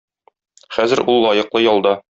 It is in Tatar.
Хәзер ул лаеклы ялда.